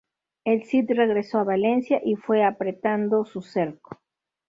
El Cid regresó a Valencia y fue apretando su cerco.